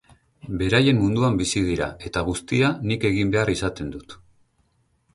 Beraien munduan bizi dira, eta guztia nik egin behar izaten dut.